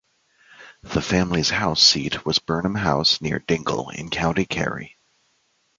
The family's former seat was Burnham House, near Dingle in County Kerry.